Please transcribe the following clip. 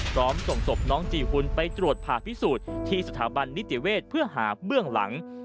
ส่งศพน้องจีหุ่นไปตรวจผ่าพิสูจน์ที่สถาบันนิติเวศเพื่อหาเบื้องหลัง